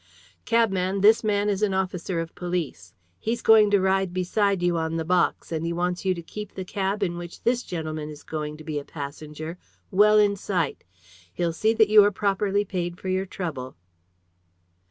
"Cabman, this man is an officer of police. He's going to ride beside you on the box, and he wants you to keep the cab in which this gentleman is going to be a passenger well in sight. He'll see that you are properly paid for your trouble."